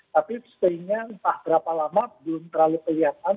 tapi stay nya entah berapa lama belum terlalu kelihatan